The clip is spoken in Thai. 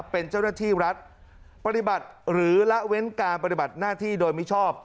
เป็นเจ้าหน้าที่รัฐปฏิบัติหรือละเว้นการปฏิบัติหน้าที่โดยมิชอบ